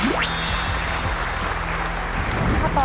ถ้าตอบถูก๓ข้อรับ๑๐๐๐๐๐๐บาท